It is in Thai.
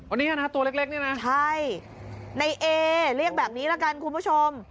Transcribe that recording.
อันนี้นะฮะตัวเล็กนี่นะใช่ในเอเรียกแบบนี้ละกันคุณผู้ชม